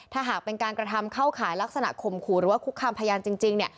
ถ้าหากเป็นการกระทำเข้าขายลักษณะข่มขู่หรือว่าคุกคามพยานจริงเนี่ย